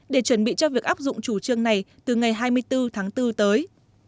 để chuẩn bị cho việc áp dụng chủ trương này từ ngày hai mươi bốn tháng bốn tới